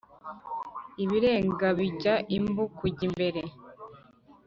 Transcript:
Ibirenga bijya imbu kujya imbere